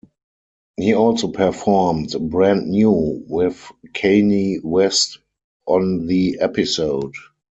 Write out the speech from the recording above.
'" He also performed "Brand New" with Kanye West on the episode.